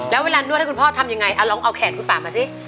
แล้วเวลานวดให้คุณพ่อทำยังไงลองเอาแขนคุณป่ามาสิ